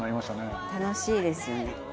楽しいですよね。